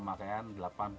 pak tagihannya pak